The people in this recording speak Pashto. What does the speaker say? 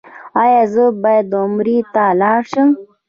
ایا زه باید عمرې ته لاړ شم؟